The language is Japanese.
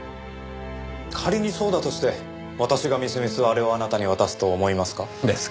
仮にそうだとして私がみすみすあれをあなたに渡すと思いますか？